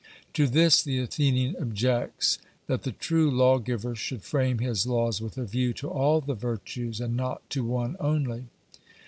To this the Athenian objects that the true lawgiver should frame his laws with a view to all the virtues and not to one only.